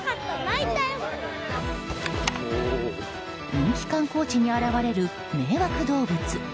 人気観光地に現れる迷惑動物。